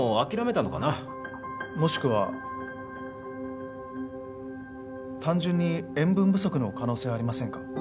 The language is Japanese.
もしくは単純に塩分不足の可能性はありませんか？